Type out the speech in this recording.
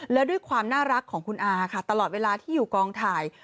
และด้วยความน่ารักของคุณอาค่ะตลอดเวลาที่อยู่กองถ่าย